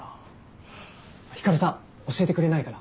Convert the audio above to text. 光さん教えてくれないかな？